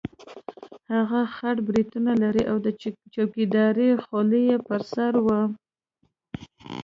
هغه خړ برېتونه لرل او د چوکیدارۍ خولۍ یې پر سر وه.